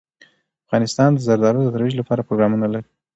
افغانستان د زردالو د ترویج لپاره پروګرامونه لري.